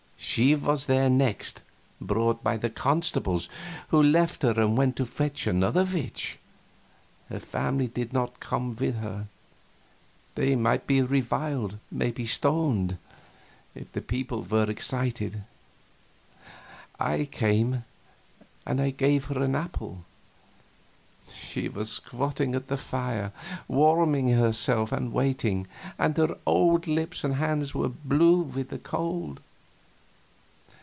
She was there next brought by the constables, who left her and went to fetch another witch. Her family did not come with her. They might be reviled, maybe stoned, if the people were excited. I came, and gave her an apple. She was squatting at the fire, warming herself and waiting; and her old lips and hands were blue with the cold.